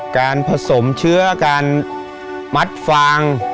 การผสมเชื้อการมัดฟาง